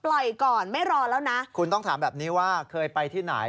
ก่อนไม่รอแล้วนะคุณต้องถามแบบนี้ว่าเคยไปที่ไหน